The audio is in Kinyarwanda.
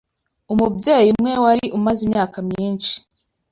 Umubyeyi umwe wari umaze imyaka myinshi